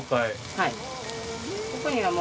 はい。